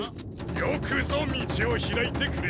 ・よくぞ道を開いてくれた！